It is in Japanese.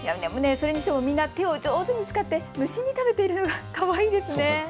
みんな手を上手に使って無心に食べているのがかわいいですね。